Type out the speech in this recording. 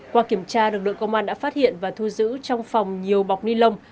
qua kiểm tra lực lượng công an đã phát hiện và thu giữ trong phòng nhiều bọc ni lông